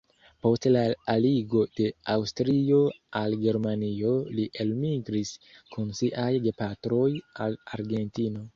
Post la aligo de Aŭstrio al Germanio li elmigris kun siaj gepatroj al Argentino.